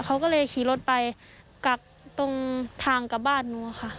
เขาก็เลยขี่รถไปกักตรงทางกับบ้านหนูค่ะ